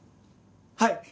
はい！